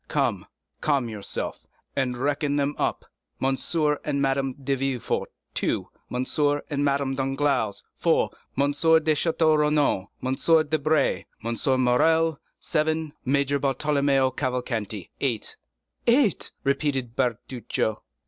Come, calm yourself, and reckon them up—M. and Madame de Villefort, two; M. and Madame Danglars, four; M. de Château Renaud, M. Debray, M. Morrel, seven; Major Bartolomeo Cavalcanti, eight." "Eight!" repeated Bertuccio.